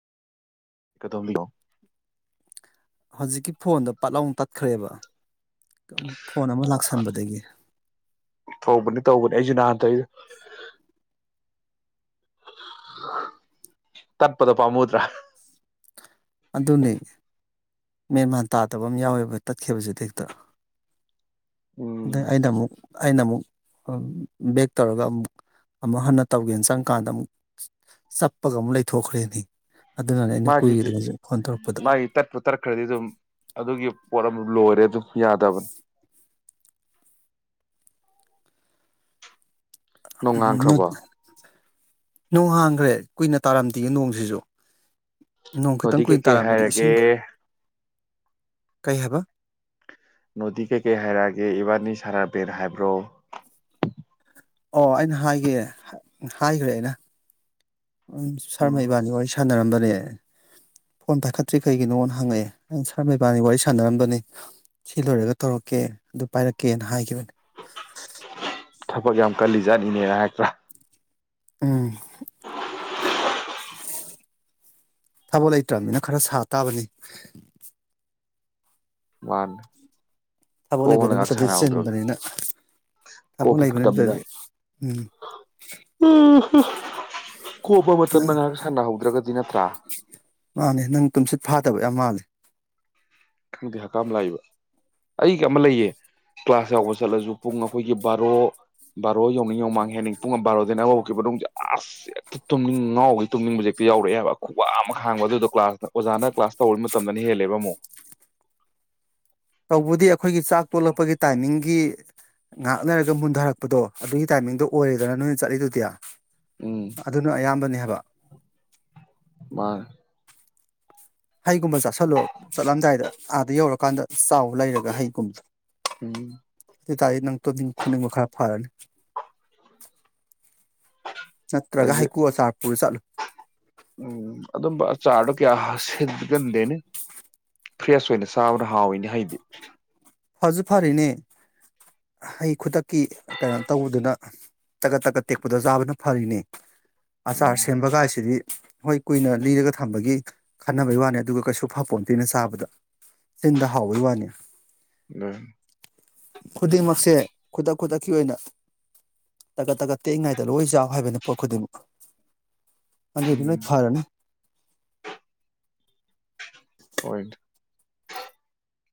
ꯀꯩ ꯗꯧꯔꯝꯃꯤꯅꯣ ꯍꯧꯖꯤꯛꯀꯤ ꯐꯣꯟꯗꯣ ꯄꯥꯠꯂꯥꯎꯅ ꯇꯠꯈ꯭ꯔꯦꯕ ꯐꯣꯟ ꯑꯃ ꯂꯥꯛꯁꯟꯕꯗꯒꯤ ꯇꯧꯕꯅꯦ ꯑꯩꯁꯨ ꯅꯍꯥꯟ ꯇꯧꯑ ꯇꯠꯄꯗꯣ ꯄꯥꯝꯃꯨꯗ꯭ꯔꯥ ꯑꯗꯨꯅꯤ ꯃꯦꯟ ꯃꯥꯟ ꯇꯥꯗꯕ ꯑꯃ ꯌꯥꯎꯋꯦꯕ ꯇꯠꯈꯤꯕꯁꯤꯗꯤ ꯍꯦꯛꯇ ꯑꯗ ꯎꯝ ꯑꯩꯗ ꯑꯃꯨꯛ ꯑꯩꯅ ꯑꯃꯨꯛ ꯕꯦꯛ ꯇꯧꯔꯒ ꯑꯃꯨꯛ ꯑꯃꯨꯛ ꯍꯟꯅ ꯇꯧꯒꯦꯅ ꯆꯪꯀꯥꯟꯗ ꯑꯃꯨꯛ ꯆꯞꯄꯒ ꯑꯃꯨꯛ ꯂꯩꯊꯣꯛꯈ꯭ꯔꯦꯅꯦ ꯑꯗꯨꯅꯅꯦ ꯑꯩꯅ ꯀꯨꯏꯔꯤꯗꯣ ꯍꯧꯖꯤꯛ ꯐꯣꯟ ꯇꯧꯔꯛꯄꯗ ꯃꯥꯒꯤꯗꯤ ꯇꯠꯄꯨ ꯇꯠꯈ꯭ꯔꯗꯤ ꯑꯗꯨꯝ ꯑꯗꯨꯒꯤ ꯄꯣꯔꯝ ꯂꯣꯏꯔꯦ ꯑꯗꯨ ꯌꯥꯗꯕꯅꯦ ꯅꯣꯡꯉꯥꯟꯈ꯭ꯔꯕꯣ ꯅꯣꯡ ꯍꯥꯡꯒ꯭ꯔꯦ ꯀꯨꯏꯅ ꯇꯥꯔꯝꯗꯦ ꯅꯣꯡꯁꯤꯁꯨ ꯅꯣꯡ ꯈꯤꯇꯪ ꯅꯣꯗꯤ ꯀꯨꯏꯅ ꯀꯩꯀꯩ ꯇꯥꯔꯝꯕꯗꯤ ꯍꯥꯏꯔꯒꯦ ꯀꯩꯍꯥꯏꯕ ꯅꯣꯗꯤ ꯀꯩꯀꯩ ꯍꯥꯏꯔꯛꯑꯒꯦ ꯏꯕꯥꯅꯤ ꯁꯥꯅꯕ꯭ꯔꯦ ꯍꯥꯏꯕ꯭ꯔꯣ ꯑꯣ ꯑꯩꯅ ꯍꯥꯏꯒꯦ ꯍꯥꯏꯈ꯭ꯔꯦ ꯑꯩꯅ ꯎꯝ ꯁꯔꯃ ꯏꯕꯅꯤ ꯋꯥꯔꯤ ꯁꯥꯟꯅꯔꯝꯕꯅꯦ ꯐꯣꯟ ꯄꯥꯏꯈꯠꯇ꯭ꯔꯤ ꯀꯩꯒꯤꯅꯣꯅ ꯍꯪꯉꯛꯑꯦ ꯑꯪ ꯁꯔꯃ ꯏꯕꯥꯅꯤ ꯋꯥꯔꯤ ꯁꯥꯟꯅꯔꯝꯕꯅꯤ ꯁꯤ ꯂꯣꯏꯔꯒ ꯇꯧꯔꯛꯀꯦ ꯑꯗꯨ ꯄꯥꯏꯔꯛꯀꯦꯅ ꯍꯥꯏꯒꯤꯕꯅꯤ ꯊꯕꯛ ꯌꯥꯝ ꯀꯜꯂꯤꯖꯥꯠꯅꯤꯅꯦꯅ ꯍꯥꯏꯔꯛꯇ꯭ꯔꯥ ꯎꯝ ꯊꯕꯛ ꯂꯩꯇ꯭ꯔꯝꯅꯤꯅ ꯈꯔ ꯁꯥ ꯇꯥꯕꯅꯤ ꯃꯥꯅꯤ ꯊꯕꯛ ꯂꯩꯕ ꯅꯨꯃꯤꯠꯇꯗꯤ ꯆꯤꯟꯕꯅꯤꯅ ꯊꯕꯛ ꯀꯣꯝꯕ ꯂꯩꯕ ꯃꯇꯝꯗ ꯅꯨꯃꯤꯠꯇꯗꯤ ꯎꯝ ꯑꯍ ꯀꯣꯝꯕ ꯅꯪ ꯃꯇꯝꯗ ꯉꯥꯏꯍꯥꯛ ꯁꯥꯟꯅꯍꯧꯗ꯭ꯔꯒꯗꯤ ꯅꯠꯇ꯭ꯔꯥ ꯗꯕ ꯌꯥꯝ ꯃꯥꯜꯂꯦ ꯈꯪꯗꯦ ꯍꯛꯀꯝ ꯂꯥꯛꯏꯕ ꯑꯩꯒ ꯑꯃ ꯂꯩꯌꯦ ꯀ꯭ꯂꯥꯁ ꯌꯥꯎꯕ ꯆꯠꯂꯁꯨ ꯄꯨꯡ ꯑꯩꯈꯣꯏꯒꯤ ꯕꯥꯔꯣ ꯌꯧꯅꯤꯡ ꯌꯣꯡꯃꯥꯡ ꯍꯦꯅꯤꯡ ꯄꯨꯡ ꯑꯃ ꯕꯥꯔꯣꯗꯤꯅ ꯑꯃ ꯃꯅꯨꯡꯁꯦ ꯑꯁ ꯍꯦꯛꯇ ꯇꯨꯝꯅꯤꯡ ꯉꯥꯎꯕ ꯇꯨꯝꯅꯤꯡꯕ ꯍꯦꯛꯇ ꯌꯥꯎꯔꯛꯑꯦꯕ ꯈꯨꯋꯥ ꯑꯃ ꯈꯥꯡꯕ ꯑꯗꯨꯗꯣ ꯀ꯭ꯂꯥꯁ ꯑꯣꯖꯥꯅ ꯀ꯭ꯂꯥꯁ ꯇꯧ ꯃꯇꯝꯗꯅ ꯍꯦꯜꯂꯦꯕ ꯑꯃꯨꯛ ꯇꯧꯕꯗꯤ ꯑꯩꯈꯣꯏꯒꯤ ꯆꯥꯛ ꯇꯣꯂꯛꯄꯒꯤ ꯇꯥꯏꯃꯤꯡꯒꯤ ꯉꯥꯛ ꯂꯩꯔꯒ ꯃꯨꯊꯔꯛꯄꯗꯣ ꯑꯗꯨꯒꯤ ꯇꯥꯏꯃꯤꯡꯗꯣ ꯑꯣꯏꯔꯦꯗꯅ ꯅꯣꯏꯅ ꯆꯠꯂꯤꯗꯨꯗꯤ ꯎꯝ ꯑꯗꯨꯅ ꯑꯌꯥꯝꯕꯅꯦ ꯍꯥꯏꯕ ꯃꯥꯅꯤ ꯍꯩꯒꯨꯝꯕ ꯆꯥꯥꯁꯜꯂꯣ ꯆꯠꯂꯝꯗꯥꯏꯗ ꯑꯥꯗ ꯌꯧꯔꯀꯥꯟꯗ ꯆꯥꯎ ꯂꯩꯔꯒ ꯍꯩꯒꯨꯝꯕꯗ ꯎꯝ ꯑꯗꯨ ꯇꯥꯏ ꯅꯪ ꯇꯣ ꯈꯨꯅꯤꯡꯕ ꯈꯔ ꯐꯔꯅꯤ ꯅꯠꯇ꯭ꯔꯒ ꯑꯩꯁꯦ ꯍꯩꯀꯨ ꯑꯆꯥꯔ ꯄꯨꯔ ꯆꯠꯂꯨ ꯆꯥꯔꯗꯣ ꯀꯌꯥ ꯍꯥ ꯁꯤꯠꯒꯟꯗꯦꯅꯦ ꯐ꯭ꯔꯦꯁ ꯑꯣꯏꯅ ꯁꯥꯕꯅ ꯍꯥꯎꯏꯅꯦ ꯍꯩꯗꯤ ꯐꯁꯨ ꯐꯔꯤꯅꯦ ꯍꯩ ꯈꯨꯗꯛꯀꯤ ꯀꯩꯅꯣ ꯇꯧꯕꯗꯨꯅ ꯇꯀꯠ ꯇꯛꯀꯠ ꯇꯦꯛꯄꯗ ꯆꯥꯕꯅ ꯐꯔꯤꯅꯦ ꯎꯝ ꯑꯆꯥꯔ ꯁꯦꯝꯕꯒꯥꯏꯁꯤꯗꯤ ꯍꯣꯏ ꯀꯨꯏꯅ ꯂꯤꯔꯒ ꯊꯝꯕꯒꯤ ꯈꯟꯅꯕꯩ ꯋꯥꯅꯤ ꯑꯗꯨꯒ ꯀꯩꯁꯨ ꯐꯄꯣꯟꯇꯤꯅ ꯆꯥꯕꯗ ꯆꯤꯟꯗ ꯍꯥꯎꯕꯩ ꯋꯥꯅꯤ ꯎꯝ ꯈꯨꯗꯤꯡꯃꯛꯁꯦ ꯈꯨꯗꯛ ꯈꯨꯗꯛꯀꯤ ꯑꯣꯏꯅ ꯇꯀꯠ ꯇꯀꯠ ꯇꯦꯛꯏꯉꯩꯗ ꯂꯣꯏ ꯆꯥꯎ ꯍꯥꯏꯕꯅꯤ ꯄꯣꯠ ꯈꯨꯗꯤꯡꯃꯛ ꯑ ꯎꯝ ꯑꯗꯨꯗꯤꯅ ꯐꯥꯔꯅꯤ ꯈꯣꯏ